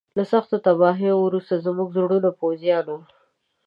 له سختو تباهیو وروسته زموږ زړورو پوځیانو.